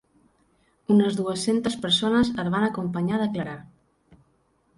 Unes dues-centes persones el van acompanyar a declarar.